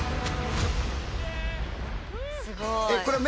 すごい。